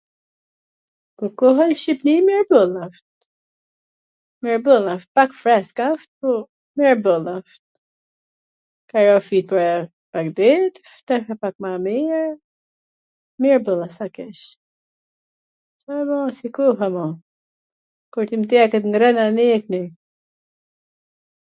po koha n Shqipni mir boll asht. mir boll asht, Pak fresk asht, po mir boll asht, kajher asht ..., her pak ma mir, mirboll a, s a keq, Ca me ba, si koha ma, ku t m i teket ngren anej e knej.